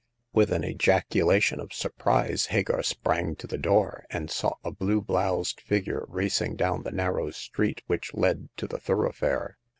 With an ejaculation of surprise Hagar sprang to the door, and saw a blue bloused figure racing down the narrow street which led to the thoroughfare.